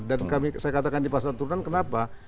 dan saya katakan di pasal turunan kenapa